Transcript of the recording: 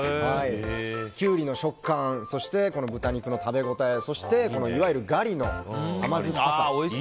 キュウリの食感そして豚肉の食べ応えそして、いわゆるガリの甘酸っぱさ。